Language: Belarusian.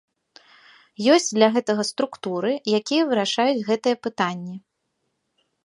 Ёсць для гэтага структуры, якія вырашаюць гэтыя пытанні.